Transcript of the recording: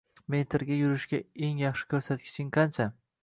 - metrga yugurishda eng yaxshi ko'rsatkiching qancha?